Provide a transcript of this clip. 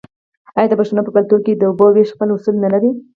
آیا د پښتنو په کلتور کې د اوبو ویش خپل اصول نلري؟